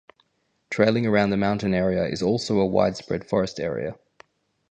Trailing around the mountain area is also a widespread forest area.